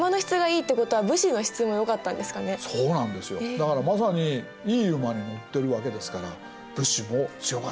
だからまさにいい馬に乗ってるわけですから武士も強かった。